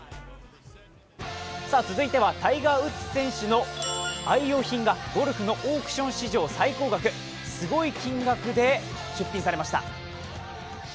続いてはタイガー・ウッズ選手の愛用品がゴルフのオークション史上最高額すごい金額で出品されました。